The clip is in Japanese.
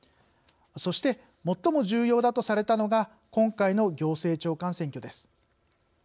そして最も重要だとされたのが今回の行政長官選挙です。